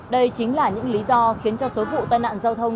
đây chính là những lý do khiến cho số vụ tai nạn giao thông